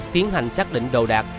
tiến hành xác định đồ đạc